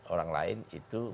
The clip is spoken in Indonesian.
orang lain itu pasti